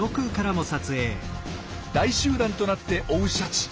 大集団となって追うシャチ。